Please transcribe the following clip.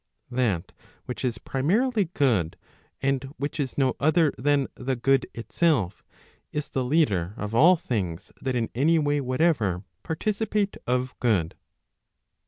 That which is primarily good, and which is no other than the good itself is the leader of all things that in any way whatever participate of good.